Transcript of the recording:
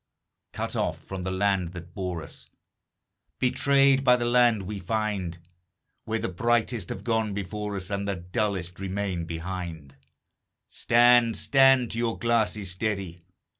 Cut off from the land that bore us, Betrayed by the land we find, Where the brightest have gone before us, And the dullest remain behind Stand, stand to your glasses, steady!